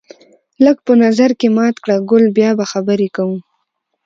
لږ په نظر کې مات کړه ګل بیا به خبرې کوو